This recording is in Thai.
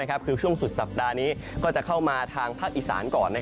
คือช่วงสุดสัปดาห์นี้ก็จะเข้ามาทางภาคอีสานก่อน